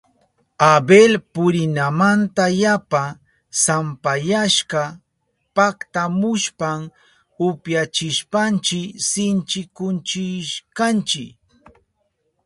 Abel purinamanta yapa sampayashka paktamushpan upyachishpanchi sinchikuchishkanchi.